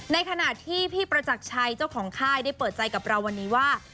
ในขณะที่พี่ประจักรชัยเจ้าของค่ายได้เปิดใจกับเราวันนี้ว่า